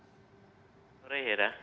selamat sore hira